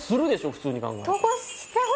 普通に考えたら。